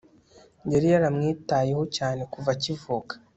yari yaramwitayeho cyane kuva akivuka